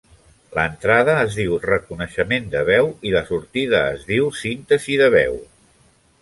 L'entrada es diu reconeixement de veu i la sortida es diu síntesi de veu.